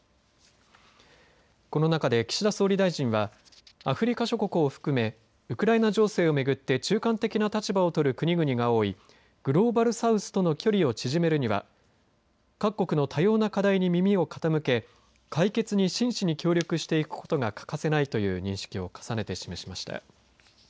この中で岸田総理大臣はアフリカ諸国を含めウクライナ情勢を巡って中間的な立場を取る国々が多いグローバル・サウスとの距離を縮めるには、各国の多様な課題に耳を傾け、解決に真摯に協力していくことが欠かせないという認識を重ねて示しました。